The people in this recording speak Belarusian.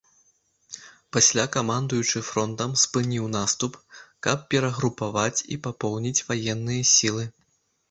Пасля камандуючы фронтам спыніў наступ, каб перагрупаваць і папоўніць ваенныя сілы.